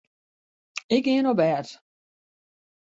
Ik gean op bêd.